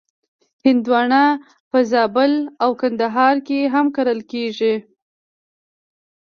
هندوانه په زابل او کندهار کې هم کرل کېږي.